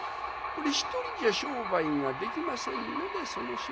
これ１人じゃ商売ができませんのでその日は休み。